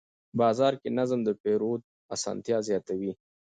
بازار کې نظم د پیرود اسانتیا زیاتوي